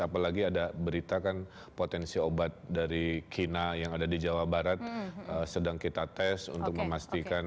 apalagi ada berita kan potensi obat dari kina yang ada di jawa barat sedang kita tes untuk memastikan